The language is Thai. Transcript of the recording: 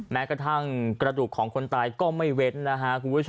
แม้กระดูกของคนตายก็ไม่เว้นนะคะ